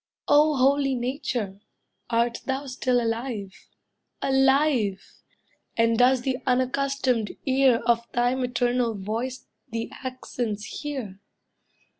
O holy Nature, art thou still alive? Alive? And does the unaccustomed ear Of thy maternal voice the accents hear?